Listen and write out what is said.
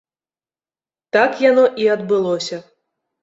Так яно і адбылося.